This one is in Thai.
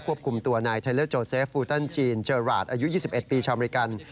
คุมตัวนายไทเลอร์โจเซฟฟูตันจีนเจอราชอายุ๒๑ปีชาวอเมริกัน